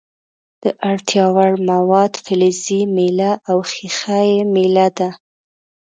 د اړتیا وړ مواد فلزي میله او ښيښه یي میله ده.